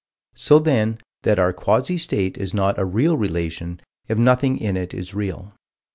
So then that our quasi state is not a real relation, if nothing in it is real.